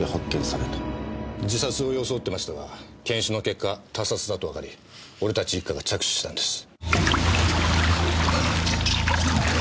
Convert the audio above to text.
自殺を装ってましたが検視の結果他殺だとわかり俺たち一課が着手したんです。